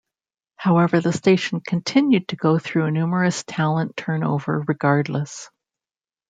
However, the station continued to go through numerous talent turnover regardless.